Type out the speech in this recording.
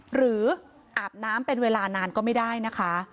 หรืออาบน้ำเป็นเวลานานก็ไม่ได้นะคะ